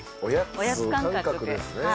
おやつ感覚ですね。